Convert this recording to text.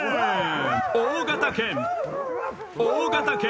大型犬大型犬。